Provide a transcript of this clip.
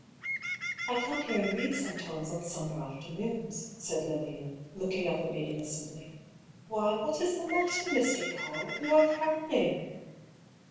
" I come here and read sometimes on summer after noons," said Lilia, looking up at me innocently. " Why, what is the matter, Mr. PauU ? You are frowning."